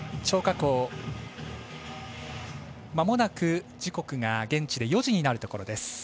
張家口、まもなく時刻が現地で４時になるところです。